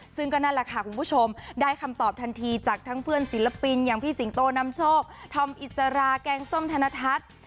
ซึ่งก็นั่นแหละค่ะคุณผู้ชมได้คำตอบทันทีจากทั้งเพื่อนศิลปินอย่างพี่สิงโตนำโชคธอมอิสราแกงส้มธนทัศน์